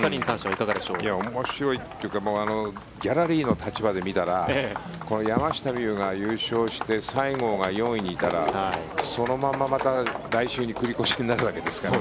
いや、面白いというかギャラリーの立場で見たら山下美夢有が優勝して西郷が４位にいたらそのまままた来週に繰り越しになるわけですから。